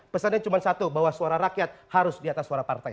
pesannya cuma satu bahwa suara rakyat harus di atas suara partai